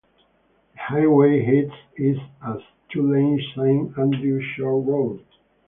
The highway heads east as two-lane Saint Andrews Church Road.